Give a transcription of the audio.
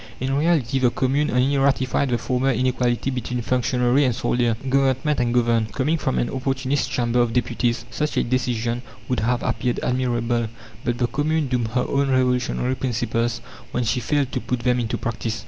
In reality, the Commune only ratified the former inequality between functionary and soldier, Government and governed. Coming from an Opportunist Chamber of Deputies, such a decision would have appeared admirable, but the Commune doomed her own revolutionary principles when she failed to put them into practice.